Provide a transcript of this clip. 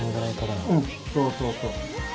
うんそうそうそう。